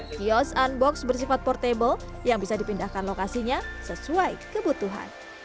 kios unbox bersifat portable yang bisa dipindahkan lokasinya sesuai kebutuhan